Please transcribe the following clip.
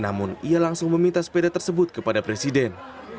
namun ia langsung meminta sepeda tersebut kepada presiden